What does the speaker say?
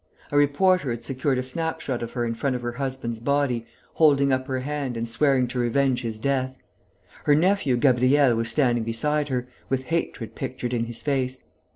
A reporter had secured a snapshot of her in front of her husband's body, holding up her hand and swearing to revenge his death. Her nephew Gabriel was standing beside her, with hatred pictured in his face.